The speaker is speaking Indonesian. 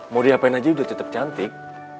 mau diapain aja udah tetap cantik